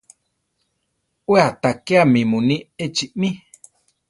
We aʼtakéame muní echi mí.